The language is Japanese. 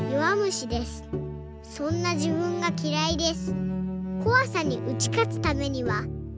そんなじぶんがきらいです」